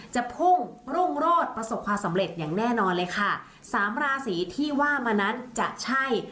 จะพุ่งรุ่งโรศประสบความสำเร็จอย่างแน่นอนเลยค่ะสามราศีที่ว่ามานั้นจะใช่